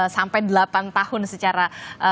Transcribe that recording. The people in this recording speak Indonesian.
sampai delapan tahun secara